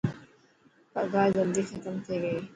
پگهار جلدي ختم ٿي گئي.